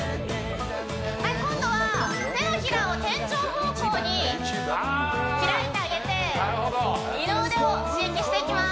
はい今度は手のひらを天井方向にあなるほど開いてあげて二の腕を刺激していきます